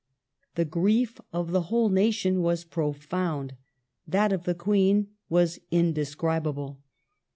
The grief of the whole nation was profound, that of the Queen was indescribable.